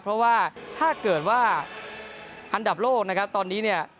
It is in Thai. เพราะว่าถ้าเกิดว่าอันดับโลกนะครับตอนนี้เนี่ย